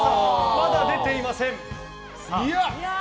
まだ出ていません。